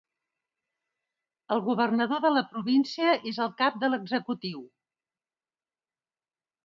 El governador de la província és el cap de l'executiu.